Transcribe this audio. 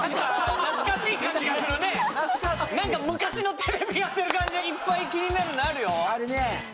懐かしい感じがするねなんか昔のテレビやってる感じいっぱい気になるのあるよ